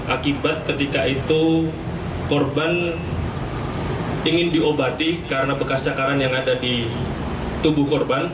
akibat ketika itu korban ingin diobati karena bekas cakaran yang ada di tubuh korban